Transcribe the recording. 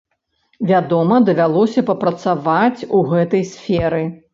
Вядома, давялося папрацаваць у гэтай сферы.